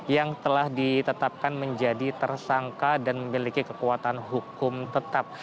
yang telah ditetapkan menjadi tersangka dan memiliki kekuatan hukum tetap